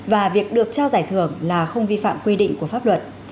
và việc được trao giải thưởng là không vi phạm quy định của pháp luật